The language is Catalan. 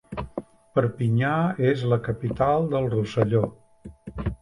Perpinya es la capital del Roselló.